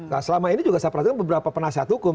nah selama ini juga saya perhatikan beberapa penasihat hukum